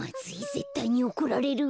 ぜったいにおこられる。